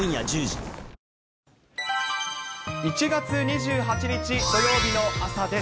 １月２８日土曜日の朝です。